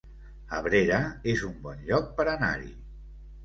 Abrera es un bon lloc per anar-hi